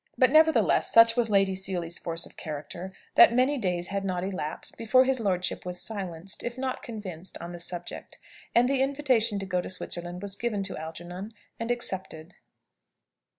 But, nevertheless, such was Lady Seely's force of character, that many days had not elapsed before his lordship was silenced, if not convinced, on the subject. And the invitation to go to Switzerland was given to Algernon, and accepted.